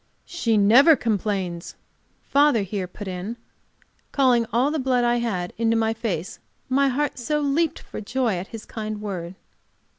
"She never complains," father here put in, calling all the blood I had into my face, my heart so leaped for joy at his kind word.